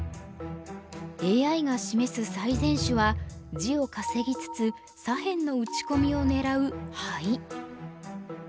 ＡＩが示す最善手は地を稼ぎつつ左辺の打ち込みを狙うハイ。